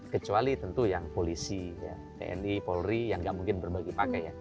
kecuali tentu yang polisi tni polri yang nggak mungkin berbagi pakai ya